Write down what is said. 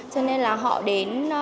cho nên là họ đến